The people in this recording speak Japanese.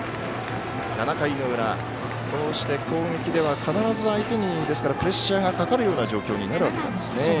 ７回の裏、こうして攻撃では必ず相手にプレッシャーがかかるような状況になるわけなんですね。